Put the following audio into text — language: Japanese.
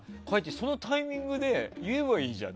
そのタイミングで言えばいいじゃん